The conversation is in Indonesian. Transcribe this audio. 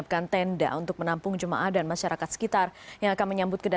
mereka selalu berlindung terpencahaya dari noorime awal kerja python